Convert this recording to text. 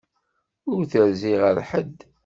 Ur terzi ɣer ḥedd.